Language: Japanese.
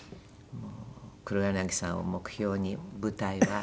もう黒柳さんを目標に舞台は。